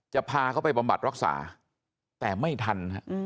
จะพาเขาไปบำบัดรักษาแต่ไม่ทัน